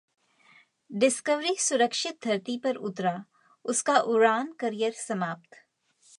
discovery सुरक्षित धरती पर उतरा उसका उड़ान करियर समाप्त